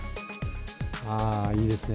ああ、いいですね。